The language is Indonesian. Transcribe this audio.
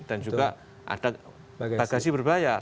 dan juga ada bagasi berbayar